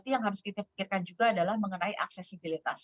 yang harus kita pikirkan juga adalah mengenai aksesibilitas